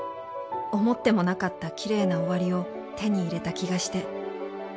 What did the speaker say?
思ってもなかったきれいな終わりを手に入れた気がして。